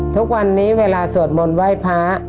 ทุกวันนี้เวลาสวดมนต์ไหว้พระ